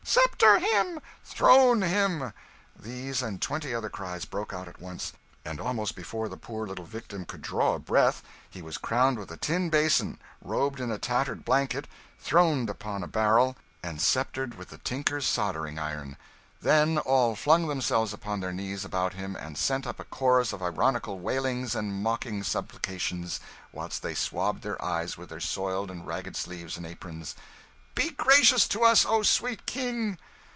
"Sceptre him!" "Throne him!" These and twenty other cries broke out at once! and almost before the poor little victim could draw a breath he was crowned with a tin basin, robed in a tattered blanket, throned upon a barrel, and sceptred with the tinker's soldering iron. Then all flung themselves upon their knees about him and sent up a chorus of ironical wailings, and mocking supplications, whilst they swabbed their eyes with their soiled and ragged sleeves and aprons "Be gracious to us, O sweet King!"